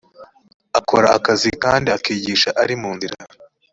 akora akiza kandi akigisha ari mu nzira